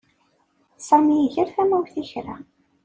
Sami iger tamawt i kra.